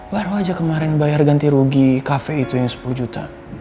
baru aja kemarin bayar ganti rugi kafe itu yang sepuluh juta